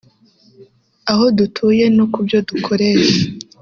aho dutuye no ku byo dukoresha